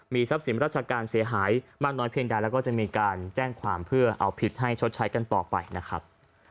ทรัพย์สินราชการเสียหายมากน้อยเพียงใดแล้วก็จะมีการแจ้งความเพื่อเอาผิดให้ชดใช้กันต่อไปนะครับ